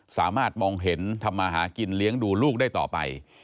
สามารถมองเห็นทำมาหากินเลี้ยงดูลูกได้ต่อไป